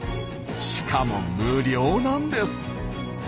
しかも無料なんです。